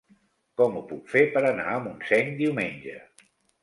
Com ho puc fer per anar a Montseny diumenge?